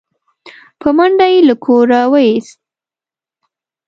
په منډه يې له کوره و ايست